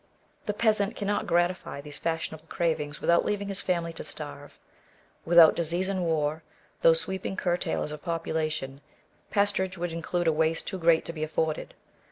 The peasant cannot gratify these fashionable cravings without leaving his family to starve. Without disease and war, those sweeping curtailers of population, pasturage would include a waste too great to be afforded.